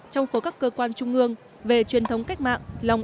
trong khối các cơ quan trung ương về truyền thống cách mạng lòng yêu nước tự hào dân tộc